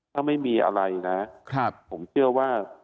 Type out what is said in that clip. ถ้าไม่มีอะไรนะผมเชื่อว่า